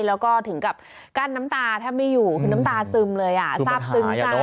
แล้วก็ถึงกับกั้นน้ำตาแทบไม่อยู่คือน้ำตาซึมเลยอ่ะทราบซึ้งใจ